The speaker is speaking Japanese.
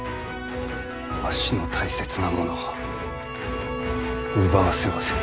わしの大切なものを奪わせはせぬ。